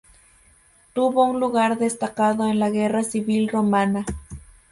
Tuvo un lugar destacado en la guerra civil romana.